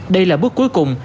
đây là bước cuối cùng